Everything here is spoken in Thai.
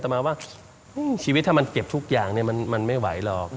แต่มาว่าชีวิตถ้ามันเก็บทุกอย่างมันไม่ไหวหรอก